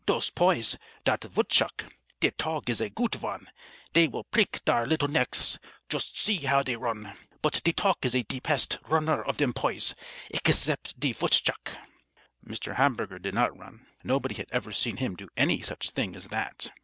"Dose poys! Dat vootchuck! De tog is a goot von. Dey vill preak dare little necks. Joost see how dey run! But de tog is de pest runner of dem poys, egsept de vootchuck." Mr. Hamburger did not run. Nobody had ever seen him do any such thing as that.